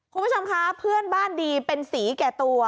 คุณผู้ชมคะเพื่อนบ้านดีเป็นสีแก่ตัว